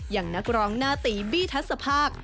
อย่างนักร้องหน้าตีบี้ทัศภาค